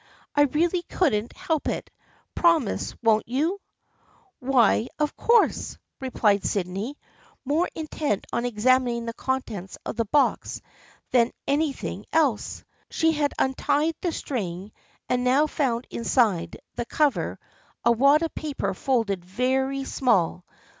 " I really couldn't help it. Promise, won't you ?"" Why, of course !" replied Sydney, more intent on examining the contents of the box than any thing else. She had untied the string and now found inside the cover a wad of paper folded very small.